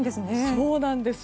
そうなんです。